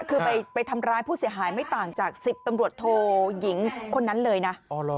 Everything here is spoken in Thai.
คือไปทำร้ายผู้เสียหายไม่ต่างจาก๑๐ตำรวจโทยิงคนนั้นเลยนะ